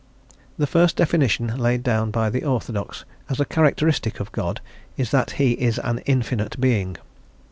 The first definition laid down by the orthodox as a characteristic of God is that he is an Infinite Being.